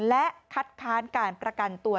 และคัดค้านการประกันตัว